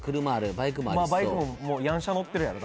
バイクもヤン車乗ってるやろ？